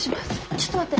ちょっと待って。